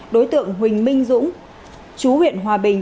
đối tượng huỳnh minh dũng chú huyện hòa bình